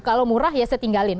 kalau murah ya saya tinggalin